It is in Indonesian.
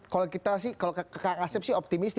kalau kita sih kalau kang asep sih optimis